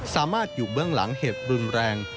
สามารถอยู่เบื้องหลังเหตุรุนแรง